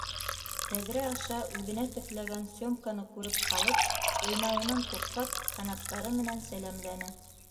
Тәҙрә аша үҙенә текләгән Сёмканы күреп ҡалып, уйнауынан туҡтап, ҡанаттары менән сәләмләне.